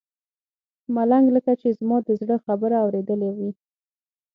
ملنګ لکه چې زما د زړه خبره اورېدلې وي.